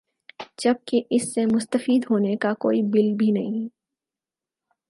جبکہ اس سے مستفید ہونے کا کوئی بل بھی نہیں